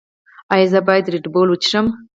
ایا زه باید ردبول وڅښم؟